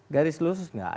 garis lurus nggak